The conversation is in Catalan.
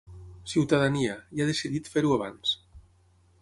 Ciutadania, i ha decidit fer-ho abans.